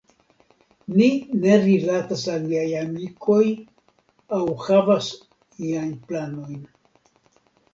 Ni ne rilatas al niaj amikoj aŭ havas iajn planojn.